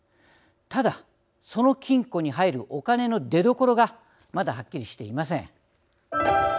ただ、その金庫に入るお金の出どころがまだはっきりしていません。